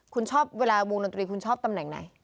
คุณชอบเวลาวงดนตรีคุณชอบตำแหน่งไหน